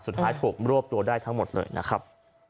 สุดท้ายถูกรวบตัวได้ทั้งหมดเลยนะครับ